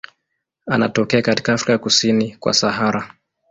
Anatokea katika Afrika kusini kwa Sahara.